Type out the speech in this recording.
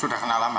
sudah kenal lama